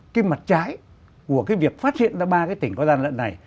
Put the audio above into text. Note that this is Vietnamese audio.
cái mặt trái của cái việc phát hiện ra ba cái tỉnh có gian lận này